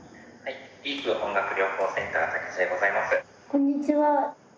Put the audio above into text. こんにちは。